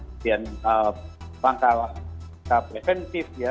kemudian langkah preventif ya